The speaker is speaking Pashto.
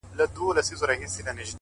ښه فکرونه ښه عادتونه جوړوي.!